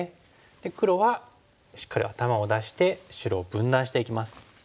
で黒はしっかり頭を出して白を分断していきます。